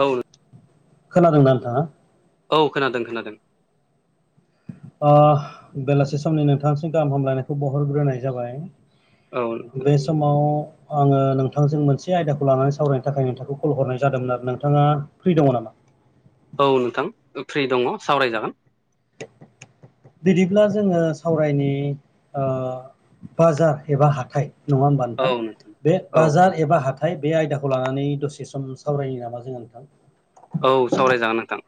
औ खोनादोंना नोंथाङा औ खोनादों खोनादों अ बेलासि समनि नोंथांसिम गाहाम हामलायनायखौ बहरग्रोनाय जाबाय औ नोंथां बे समाव आङो नोंथांजों मोनसे आयदाखौ लानानै सावरायनो थाखाय नोंथांखौ कल हरनाय जादोंमोन आरो नोंथाङा फ्रि दङ नामा [inaudible] औ नोंथां आं फ्रि दङ सावरायजागोन बिदिब्ला जोङो सावरायदोनि बा बाजार एबा हाथाय नङा होमबा औ नोंथां बे औ औ बाजार एबा हाथाय बे आयदाखौ लानानै दसे बे सम सावरायनो लाना जोंहा नोंथां औ सावरायजागोन नोंथां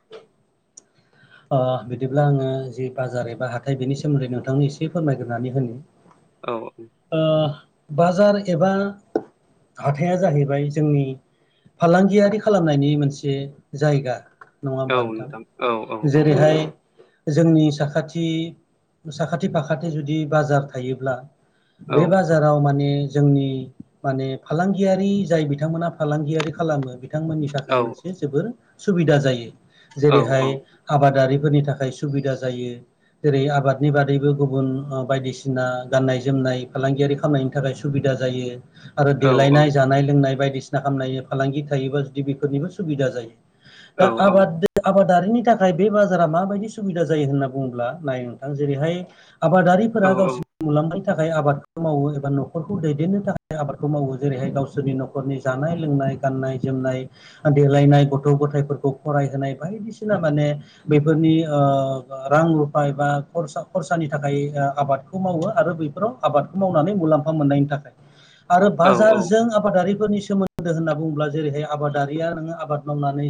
अ बिदिब्ला आङो जि बाजार एबा हाथाय बेनि सोमोन्दै नोंथांनो एसे फोरमायग्रोनानै होनो औ उम बाजार एबा हाथाया जाहैबाय जोंनि फालांगियारि खालामनायनि मोनसे जायगा नङा औ होमबा नोंथां औ औ औ जेरैहाय जोंनि साखाथि साखाथि फाखाथि जुदि बाजार थायोब्ला औ बे बाजाराव माने जोंनि माने फालांगियारि जाय बिथांमोना फालांगियारि खालामो बिथांमोननि औ थाखाय मोनसे जोबोर सुबिदा जायो औ जेरैहाय आबादारिफोरनि थाखाय सुबिदा जायो। जेरै आबादनि बादैबो गुबुन बायदिसिना गाननाय जोमनाय फालांगियारि खालामनायनि थाखाय सुबिदा जायो आरो औ देलायनाय जानाय लोंनाय बायदिसिना खालामामनायनि फालांगि थायोबा जुदि बेफोरनिबो सुबिदा जायो। दा औ आबाद आबादारिनि थाखाय नाथाय बे बाजारा माबायदि सुबिदा जायो होनना बुङोब्ला नाय नोंथां जेरैहाय औ आबादारिफोरा गावसोरनि मुलाम्फा थाखाय आबादखौ मावो एबा न'खरखौ दैदेननो थाखाय आबादखौ मावो जेरैहाय गावसोरनि न'खरनि जानाय लोंनाय गाननाय जोमनाय देलायनाय गथ' गथायफोरखौ फरायहोनाय बायदिसिना माने बेफोरनि ओ रां रुफा बा खरसा खरसानि थाखाय आबादखौ मावो। बेफोराव आबादखौ मावनानै मुलाम्फा मोननायनि थाखाय आरो बाजारजों आबादारि सोमोन्दो होनना बुङोब्ला जेरैहाय आबादारिया नो आबाद मावनानै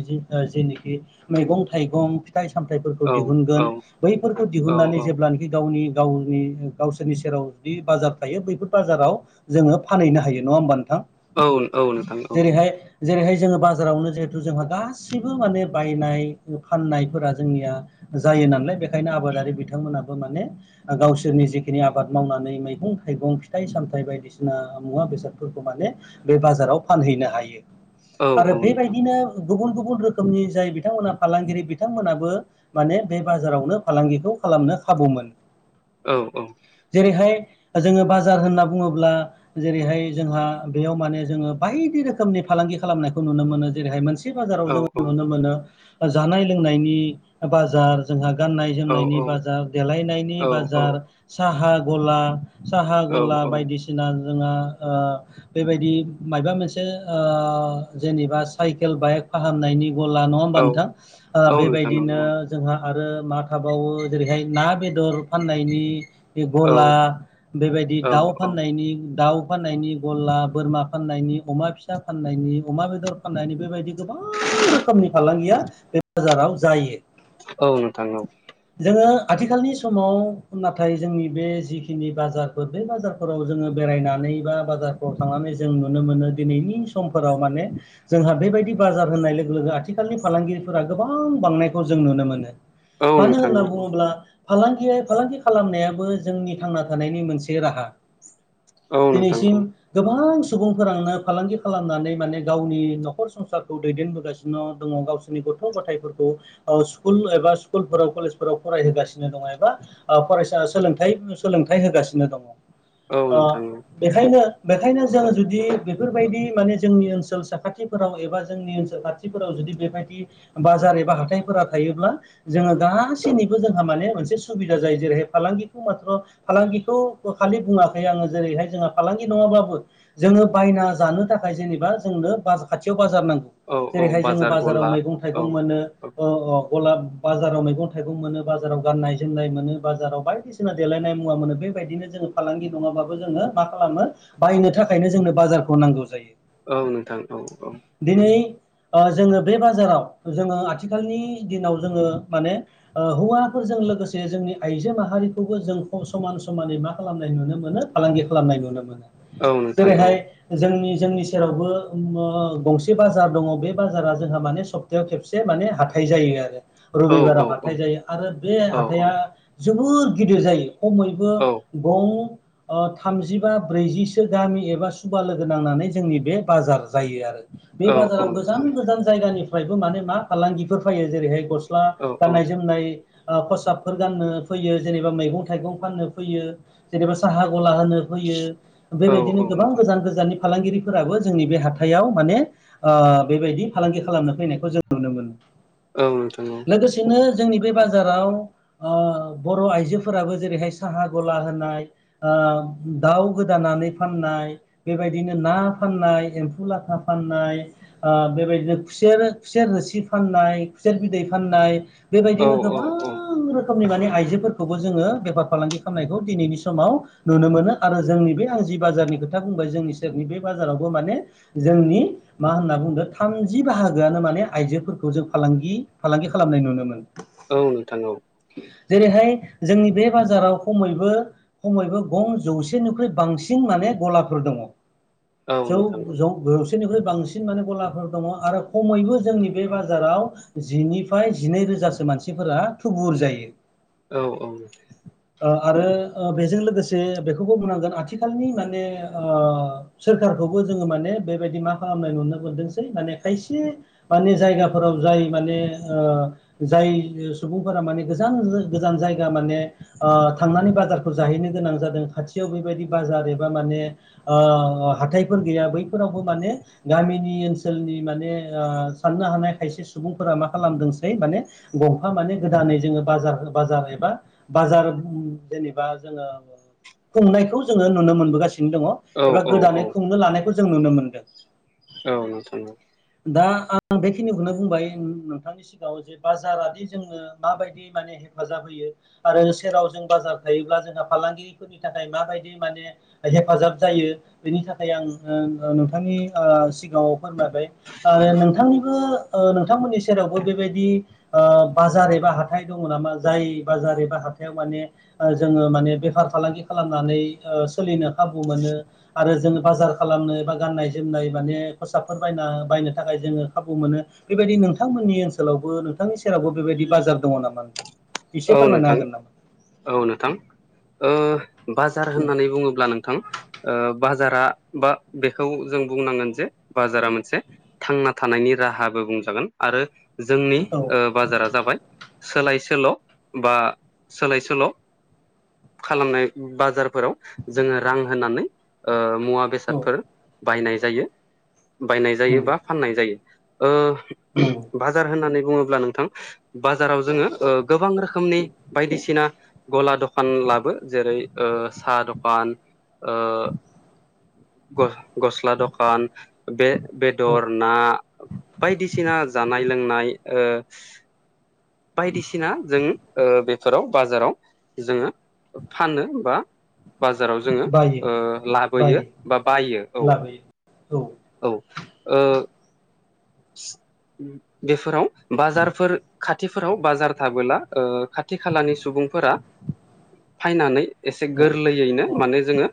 जेनाखि मैगं थाइगं फिथाइ सामथाइफोरखौ औ दिहुनगोन बैफोरखौ दिहुननानै जेब्लानाखि गावनि गावनि गावसोरनि सेराव जुदि बाजार थायो बैफोर बाजाराव जोङो फानहैनो हायो नङा होमबा नोंथां? औ औ नोंथां औ जेरैहाय जेरैहाय जोङो बाजारावनो जिहेथु जोंहा गासिबो माने बायनाय फाननाय जोंनिया जायो नालाय बेखायनो आबादारि बिथांमोनाबो माने गावसोरनि जिखिनि आबाद मावनानै मैगं थाइगं फिथाइ सामथाय बायदिसिना मुवा बेसादफोरखौ माने बे बाजाराव फानै औ आरो औ नोंथां बेबायदिनो गुबुन गुबुन रोखोमनि जाय बिथांमोनहा फालांगिरि बिथांमोनाबो माने बे बाजारावनो फालांगिखौ खालामनो खाबु मोनो औ औ जेरैहाय जोङो बाजार होनना बुङोब्ला जेरैहाय जोंहा बेयाव माने जोङो बायदि रोखोमनि फालांगि खालामनायखौ नुनो मोनो जेरैहाय मान बाजाराव औ जोङो औ नुनो मोनो जानाय लोंनायनि बाजार जोंहा गाननाय जोमनायनि औ औ बाजार देलायनायनि औ बाजार साहा गला साहा गला बायदिसिना जोंहा बेबायदि माबा मोनसे जेनेबा साइकेल बाइक फाहामनायनि गला नङा होमबा औ नोंथां ओ औ नोंथां औ बेबायदिनो जोंहा आरो मा थाबावो जेरैहाय ना बेदर फाननायनि औ गला बेबायदि औ दाउ फाननायनि दाउ फाननायनि गला बोरमा फाननायनि अमा फिसा फाननायनि अमा बेदर फाननायनि बेबायदि गोबां गोबां रोखोमनि फालांगिया बे बाजाराव जायो। औ नोंथां औ। जोङो आथिखालनि समाव नाथाय जोंनि बे जिखिनि बाजारफोर बे बाजारफोराव जोङो बेरायनानै एबा बाजारफोराव थांनानै जों नुनो मोनो दिनैनि समफोराव माने जोंहा बेबायदि बाजार होननाय लोगो लोगो आथिखालनि फालांगिरिफोरा गोबां बांनायखौ जों नुनो मोनो औ मानो नोंथां होनना औ बुङोब्ला फालांगि फालांगि खालामनायाबो जोंनि थांना थानायनि मोनसे राहा। औ नोंथां औ दिनैसिम गोबां सु सुबुंफोरानो फालांगि खालामनानै माने गावनि न'खर संसारखौ दैदेनबोगासिनो दङ गाव गथ' गथायफोरखौ स्कुल एबा स्कुल फोराव कलेज फोराव फरायहोगासिनो सिनो दं एबा फरायसा सोलोंथाय सोलोंथाइ होगासिनो दङ। औ ओ नोंथां बेखायनो बेखायनो जोङो जुदि बेफोरबायदि माने जोंनि ओनसोल साखाथिफोराव एबा जोंनि ओनसोल खाथिफोराव जुदि बेबायदि बाजार एबा हाथायफोरा थायोब्ला जोङो गासैनिबो जोंहा माने मोनसे सुबिदा जायो जेर जेरै फालांगिखौ माथ्र फालांगिखौ खालि बुङाखै आङो जेरैहाय जोंहा फालांगि नङाबाबो जोङो बायना जानो थाखाय जेनेबा जोंनो बा खाथियाव बाजार नांगौ औ औ जेरैहाय जोङो बाजार बाजाराव गला मै औ थाइगं मोनो औ ओ अ गलाब बाजाराव मैगं थाइगं मोनो बाजाराव गाननाय जोमनाय मोनो बाजाराव बायदिसिना देलायनाय मुवा मोनो। बेबायदिनो जोङो फालांगि नङाबाबो जोङो मा खालामो बायनो थाखायनो जोंनो बाजारखौ नांगौ जायो। औ नोंथां औ-औ। दिनै ओ जोङो बे बाजाराव जोङो आथिखालनि दिनाव जोङो माने ओ हौवाफोरजों लोगोसे जोंनि आइजो माहा हारिखौबो जों फ समान समानै मा खालामनाय नुनो मोनो फालांगि खालामनाय नुनो मोनो। औ नोंथां औ जेरैहाय जोंनि जोंनि सेरावबो उमओ गंसे बाजार दङ बे बाजारा जोंहा माने सप तायाव खेबसे माने हाथाय जायो आरो औ औ रबिबाराव हाथाय जायो आरो बे औ हाथाइआ जोबोर गिदिर जायो खमैबो औ गं ओ थामजिबा ब्रैजिसो गामि एबा सुबा लोगो नांनानै जोंनि बे बाजार जायो आरो। बे औ औ बाजाराव नोंथां गोजान गोजान जायगानिफ्रायबो माने मा फालांगिफोर फैयो जेरैहाय ग स्ला औ गाननाय जोमनाय ओ खसाबफोर गाननो फैयो जेनेबा मैगं थाइगं फाननो फैयो जेनेबा साहा गला होनो फैयो औ बेबायदिनो गोबां नोंथां गोजान गोजाननि फालांगिरिफोराबो जोंनि बे हाथायाव माने ओ बेबायदि फालांगि खालामनो फैनायखौ जों नुनो मोनो। औ नोंथां औ। लोगोसेनो जोंनि बे बाजाराव ओ बर' आइजोफोराबो जेरैहाय साहा गला होनाय ओ ओ दाउ गोदानानै फाननाय बेबायदिनो ना फाननाय एम्फौ लाथा फाननाय नाय ओ बेबायदिनो खुसेर खुसेर रोसि फाननाय खुसेर बिदै फाननाय औ बेबायदिनो औ औ गोबां रो खोमनि माने आइजोफोरखौबो जोङो बेफार फालांगि खालामनायखौ दिनैनि समाव नुनो मोनो आरो जोंनि बे आइ जि बाजारनि खोथा जोंनि सेरनि बे बाजारावबो माने जोंनि मा होनना बुंदों थामजि बाहा गोआनो माने आइजोफोरखौ जों फालांगि फालांगि खालामनाय नुनो मोनो। औ नोंथां औ। जेरैहाय जोंनि बे बाजाराव खमैबो खमैबो गं जौसेनिख्रुइ बांसिन माने गलाफोर दङ। औ जौ नोंथां औ जौ जौसेनिख्रुइ बांसिन माने गलाफोर दङ आरो खमैबो जोंनि बे बाजाराव जिनिफ्राय जिनै रोजासो मानसिफोरा थुबुर जायो। औ औ। आरो बेजों लोगोसे बेखौबो बुंनांगोन आथिखालनि माने सोर खौबो जोङो माने बेबायदि मा खालामनाय नुनो मोनदोंसै माने खायसे माने जायगाफोराव जाय माने जाय सुबुंफोरा माने गोजान गोजान जायगा माने थांनानै बाजारखौ जाहैनो गोनां जादों खाथियाव बेबायदि बाजार एबा माने हाथायफोर गैया बैफोरावबो माने गामिनि ओनसोलनि माने साननो हानाय खायसे सुबुंफोरा मा खालामदोंसै माने गंफा माने गोदानै जोङो बाजार बाजार एबा बाजार जेनेबा जोङो खुंनायखौ जोङो नुनो मोनबोगासिनो दङ एबा औ औ गोदानै खुंनो लानायखौ जों नुनो मोनदों। औ नोंथां। दा आं बेखिनिखौनो बुंबाय नोंथांनि सि गाङाव जे बाजारादि जोंनो माबायदि माने हेफाजाब होयो आरो सेराव जों बाजार थायोब्ला जोंहा फालांगिरिफोरनि थाखाय माबायदि माने हेफाजाब जायो बेनि थाखाय आं नोंथांनि सिगाङाव फोरमायबाय आरो नोंथांनिबो नोंथांमोननि सेरावबो बेबायदि बाजार हाथाय दङ नामा जाय बाजार एबा हाथायाव माने जोङो माने बेफार फालांगि खालामनानै सोलिनो खाबु मोनो आरो जों बाजार खालामनो बा गाननाय जोमनाय माने खसाब बायना बायनो। थाखाय जोंङो खाबु मोनो बेबायदि नोंथांमोननि ओनसोलावबो नोंथांनि सेरावबो बेबायदि बाजार दंङ अनामा नोंथां एसे औ फोरमायना नोंथां होगोन औ नोंथां ओ बाजार होननानै बुङोब्ला नोंथां ओ बाजारा बा बेखौ जों बुंनांगोन जे बाजारा मोनसे थांना थानायनि राहाबो बुंजागोन आरो जोंनि नामा ओ बाजारा जाबाय सोलाय सोल' बा सोलाय सोल' खालामनाय बाजारफोराव जोङो रां होननानै ओ मुवा बेसादफोर औ बायनाय जायो बायनाय औ जायो बा फाननाय जायो औ ओ नंगौ बाजार होननानै बुङोब्ला नोंथां बाजाराव जोङो ओ गोबां रोखो खोमनि बायदिसिना गला दखान लाबो जेरै ओ साहा दखान ओ गो गस्ला दखान बे नंगौ औ बेदर ना बायदिसिना जानाय लोंनाय इओ बायदिसिना जों ओ बेफोराव बाजाराव जोङो फानो बा बाजाराव जोङो बायो ओ लाबोयो बा बायो औ औ ओ औ [inaudible] बेफोराव बाजारफोर खाथिफोराव बाजार थाबोला ओ खाथि खालानि सुबुं बुं फोर फायनानै एसे औ गोरलैयैनो औ माने जोङो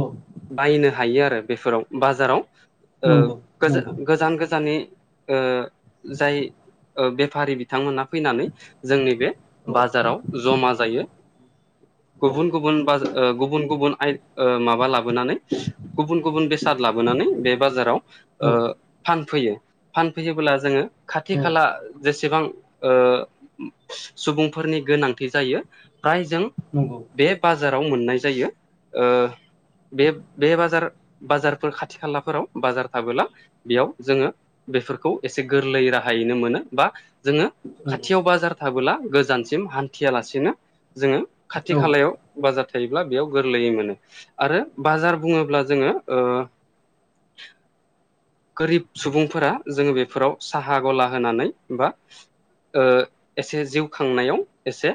औ बायनो हायो आरो बेफोराव बाजाराव ओ नंगौ नंगौ गोजान गोजाननि ओ जाय ओ बेफारि बिथांमोना फैनानै जोंनि बे औ बाजाराव जमा जायो औ गुबुन गुबुन बाजा ओ गुबुन गुबुन आय ओ माबा लाबोनानै गुबुन गुबुन बेसाद लाबोनानै बे बाजाराव ओ औ फान फैयो फानफैयोबोला जोङो खाथि औ खाला जेसे सेबां ओ सुबुंफोरनि गोनांथि जायो फ्राय जों नंगौ बे बाजाराव मोननाय जायो ओ बे बे बाजार बाजारफोर खाथि खालाफोराव बाजार थाबोला बेयाव जोङो बेफोरखौ एसे गोरलै राहायैनो मोनो बा जोङो नंगौ खाथियाव बाजार थाबोला गोजानसिम हान्थियालासेनो जोङो खाथि औ खालायाव बाजाद थायोब्ला बेयाव गोरलैयै मोनो आरो बाजार बुङोब्ला जोङो ओ [unintelligible] [inaudible] गोरिब सुबुंफोरा जोङो बेफोराव साहा गला होनानै बा ओ एसे जिउ खांनायाव एसे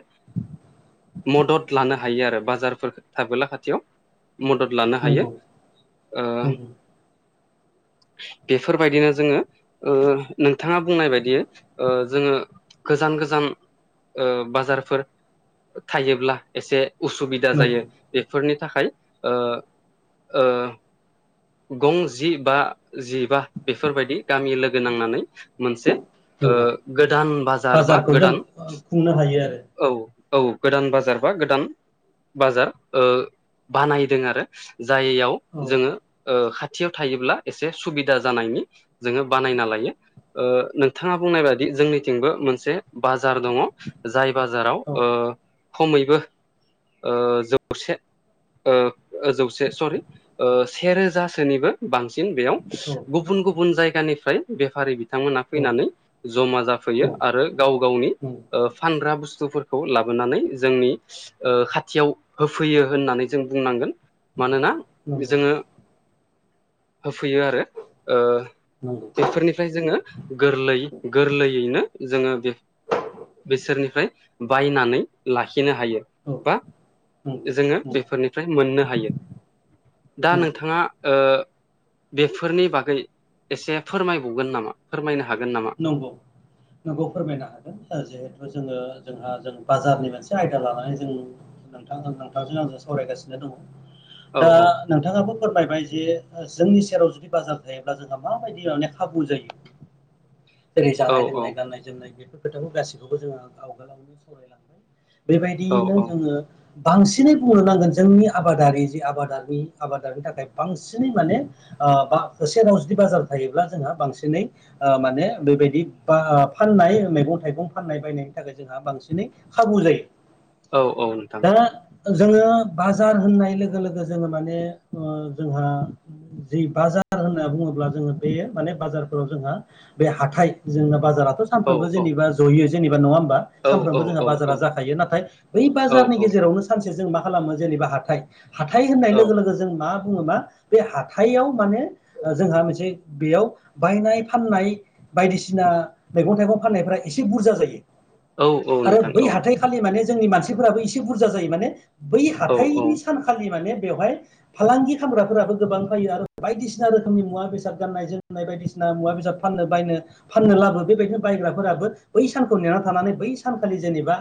मदद लानो हायो आरो बाजारफोर थाबोला खाथियाव मदद लानो हायो नंगौ ओ नंगौ [unintelligible] [inaudible] बेफोरबायदिनो जोङो ओ नोंथाङा बुंनाय बायदि ओ जोङो गोजान गोजान ओ बाजारफोर थायोब्ला एसे उसुबिदा जायो नंगौ बेफोरनि थाखाय ओ ओ गं जि बा जिबा बेफोरबायदि गामि लोगो नांनानै मोनसे ओ नंगौ गोदान बाजार बा बाजारखौ जों गोदान खुंनो हायो आरो औ औ गोदान बाजार बा गोदान बाजार ओ बानायदों आरो जायियाव औ जोङो ओ खाथियाव थायोब्ला एसे सुबिदा जानायनि जोङो बानायना लायो ओ नोंथाङा बुंनाय बादि जोंनिथिंबो मोनसे बार दंङ जाय बाजाराव ओ औ खमैबो ओ जौसे ओ जौसे सरि ओ सेेरोजासोनिबो बांसि बेयाव औ गुबुन गुबुन जायगानिफ्राय बेफारि थांमोना औ फैनानै जमा औ जाफैयो आरो गाव गावनि ओ फानग्रा बुस सुफोरखौ लाबोनानै जोंनि खाथियाव होफैयो होननानै जों बुंनांगोन मानोना नंगौ जोङो होफैयो आरो ओ नंगौ बेफोरनिफ्राय जोङो गोरलै गोरलैयैनो जोङो बेफ बिसोरनिफ्राय बायनानै लाखिनो हायो औ बा नंगौ जोङो नंगौ बेफोरनिफ्राय मोननो हायो दा नंगौ नोंथाङा ओ बेफोरनि बागै एसे फोरमायबावगोन नामा फोरमायना नंगौ नंगौ फोरमायनो हागोन जिहेथु जोङो जोंहा जों बाजारनि मोनसे आयदा लानानै जों नोंथां नोंथांजों आंजों सावरायगासिनो दङ औ दा औ नोंथाङाबो फोरमायबाय जे ओ जोंनि सेराव जुदि बाजार थायोब्ला जोंहा माबायदि माने खाबु जायो जेरै औ जानाय लोंनाय गाननाय जोमनाय बेफोर खोथाखौ गासैखौबो जोङो आवगोलावनो सावरायलांबाय औ बेबायदियैनो औ जोङो बांसिनै बुंनो नांगोन जोंनि आबादारि जि आबादारि आबादारिनि थाखाय बांसिनै माने ओ बा होसेनाव जुदि बाजार थायोब्ला जोंहा बांसिनै ओ माने बेबायदि बा फाननाय मैगं थाइगं फाननाय बायनायनि थाखाय जोंहा बांसिनै खाबु जायो औ औ नोंथां दा जोङो बाजार होननाय लोगो लोगो जोङो माने ओ जोंहा जि बाजार होनना बुङोब्ला जोङो बे माने बाजारफोराव जोंहा बे हाथाय जोंना बाजाराथ' औ सानफ्रोमबो औ जेनेबा ज'यो जेनेबा नङा बा औ सामफ्रामबो जोंहा औ बाजारा औ जाखायो नाथाय बै औ बाजारनि गेजेरावनो सान से जों मा खालामो जेनेबा हाथाइ हाथाइ होननाय औ लोगो लोगो जों मा बुङोमा बे हाथायाव माने जोंहा मोनसे बेयाव बायनाय फाननाय बायदिसिना मैगं थाइगं फाननायफ्रा एसे बुरजा जायो औ औ आरो नोंथां बै औ हाथाइखालि माने जोंनि मानसिफोराबो एसे बुरजा जायो माने बै औ हाथाइनि सानखालि माने बेवहाय फालांगि खामग्राफोराबो गोबां जायो आरो बायदिसिना रोखोमनि मुवा बेसाद गाननाय जोमनाय बायदिसिना मुवा बेसाद फाननो बायनो फाननो लाबो बेबायदिनो बायग्राफोराबो बै सानखौ नेना थानानै बै सानखालि जेनेबा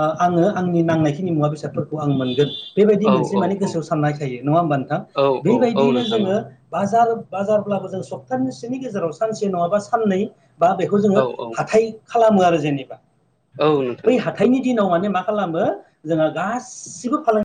आ आङो आंनि नांनायखिनि मुवा बेसाद फोर खौ आं मोनगोन बेबायदि औ मोनसे माने गोसोआव साननाय थायो नङा हबा नोंथां औ औ औ बेबायदिनो जोङो नोंथां बाजार बााजारब्लाबो जों सप्ताननि गेजेराव सानसे नङाबा साननै बा बेखौ औ जोङो औ हाथाय खालामो आरो जेनेबा औ नोंथां बै हाथाइनि दिनाव माने मा खालामो जोंहा गासिबो फालांग